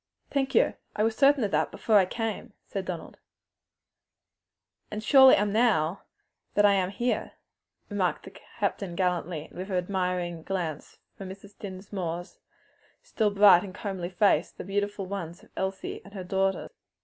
"Thank you, I was certain of that before I came," said Donald. "And I surely am now that I am here," remarked the captain gallantly, and with an admiring glance from Mrs. Dinsmore's still fresh, bright, and comely face to the more beautiful ones of Elsie and her daughter.